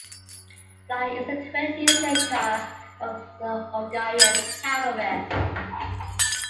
"Ly" is the twentieth letter of the Hungarian alphabet.